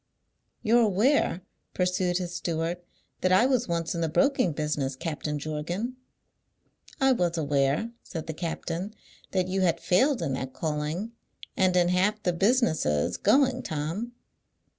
"You're aware," pursued his steward, "that I was once in the broking business, Captain Jorgan?" "I was aware," said the captain, "that you had failed in that calling, and in half the businesses going, Tom."